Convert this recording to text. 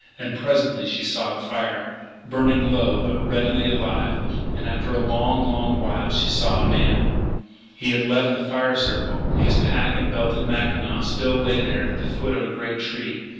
And presently she saw the fire, burning low, but redly alive. And, after a long, long while, she saw a man. He had left the fire circle. His pack and belted mackinaw still lay there at the foot of a great tree.